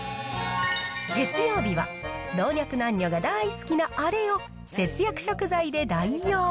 月曜日は、老若男女が大好きなあれを節約食材で代用。